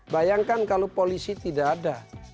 bayangkan kalau polisi tidak ada